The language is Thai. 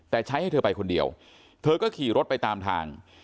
แต่ใช้ให้เธอไปคนเดียวเธอก็ขี่รถไปตามทาง